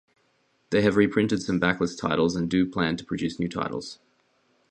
They have reprinted some backlist titles and do plan to produce new titles.